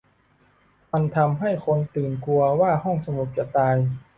มันทำให้คนตื่นกลัวว่าห้องสมุดจะตาย